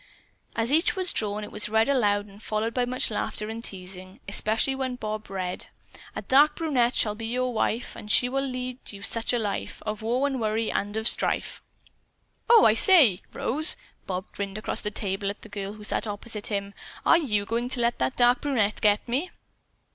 As each was drawn, it was read aloud and was followed by much laughter and teasing, especially when Bob read: "A dark brunette shall be your wife, And she will lead you such a life Of woe and worry and of strife." "Oh, I say, Rose," Bob grinned across the table at the girl who sat opposite him, "are you going to let that dark brunette get me?"